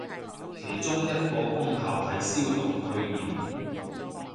其中一個功效係消毒退炎